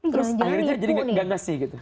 terus akhirnya jadi gak ngasih gitu